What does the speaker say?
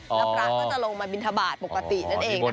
แล้วพระก็จะลงมาบินทบาทปกตินั่นเองนะคะ